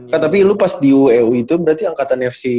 kak tapi lu pas di ueu itu berarti angkatan fc